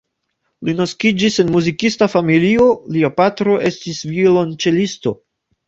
Li naskiĝis en muzikista familio, lia patro estis violonĉelisto.